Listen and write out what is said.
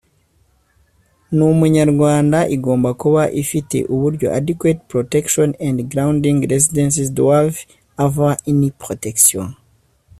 n umuryango igomba kuba ifite uburyo adequate protection and grounding r sidences doivent avoir une protection